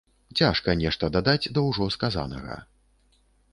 Цяжка нешта дадаць да ўжо сказанага.